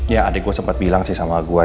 ya adik gue sempat bilang sih sama gue